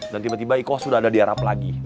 dan tiba tiba iko sudah ada di arap lagi